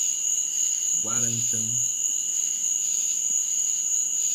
Guarantã